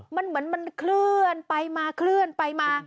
มันเคลื่อนไปมาเคลื่อนไปมา